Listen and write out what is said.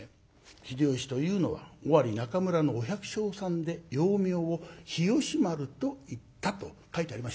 「秀吉というのは尾張・中村のお百姓さんで幼名を日吉丸といった」と書いてありましたよ。